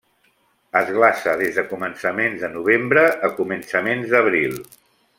Es glaça des de començaments de novembre a començaments d'abril.